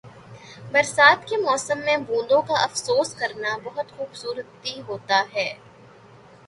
برسات کے موسم میں بوندوں کا افسوس کرنا بہت خوبصورتی ہوتا ہے۔